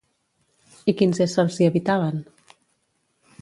I quins éssers hi habitaven?